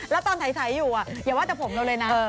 แล้วตอนไถทรอยู่อย่าว่าแต่ผมเลยนะ